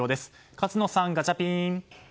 勝野さん、ガチャピン。